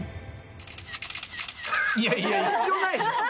いやいや、必要ないでしょ。